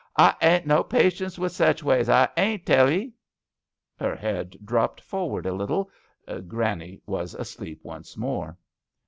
I ain't no patience wi* sech ways — I ain't— tell 'ee ..." Her head dropped forward a little. Granny was asleep once more.